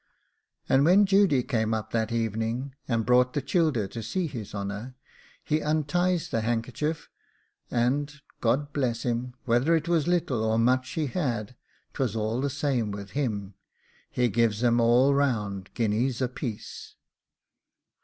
And when Judy came up that evening, and brought the childer to see his honour, he unties the handkerchief, and God bless him! whether it was little or much he had, 'twas all the same with him he gives 'em all round guineas apiece.